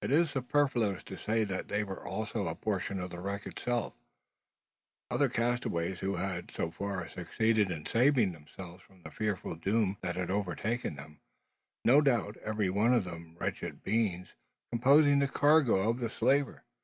It is superfluous to say that they were also a portion of the wreck itself, other castaways who had, so far, succeeded in saving themselves from the fearful doom that had overtaken, no doubt, every one of the wretched beings composing the cargo of the slaver.